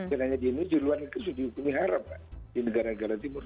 dan hanya di indonesia dihukumi haram di negara negara timur